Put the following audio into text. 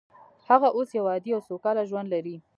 هغه اوس یو عادي او سوکاله ژوند لري